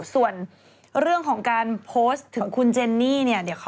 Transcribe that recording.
ส่วนเรื่องของการโพสต์ถึงคุณเจนนี่เนี่ย